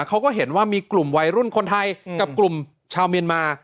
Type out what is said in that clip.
เขาก็เห็นว่ามีกลุ่มวัยรุ่นคนไทยกับกลุ่มชาวเมียนมา